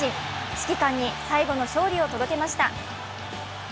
指揮官に最後の勝利を届けました。